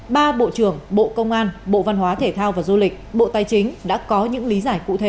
ba bộ trưởng bộ công an bộ văn hóa thể thao và du lịch bộ tài chính đã có những lý giải cụ thể